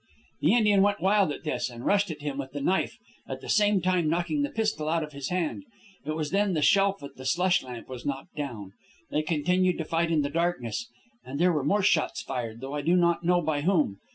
"The Indian went wild at this, and rushed at him with the knife, at the same time knocking the pistol out of his hand. It was then the shelf with the slush lamp was knocked down. They continued to fight in the darkness, and there were more shots fired, though I do not know by whom.